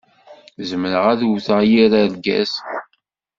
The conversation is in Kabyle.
Zemreɣ ad wwteɣ yir argaz.